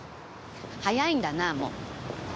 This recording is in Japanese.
速いんだなもう。